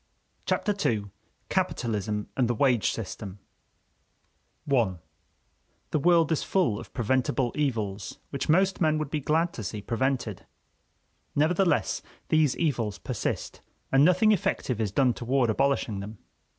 Chapter II: Capitalism and the Wage System I The world is full of preventible evils which most men would be glad to see prevented. Nevertheless, these evils persist, and nothing effective is done toward abolishing them.